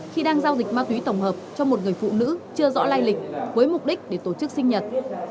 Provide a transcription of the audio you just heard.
khi đang giao dịch ma túy tổng hợp cho một người phụ nữ chưa rõ lai lịch với mục đích để tổ chức sinh nhật